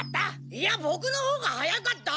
いやボクのほうが早かった！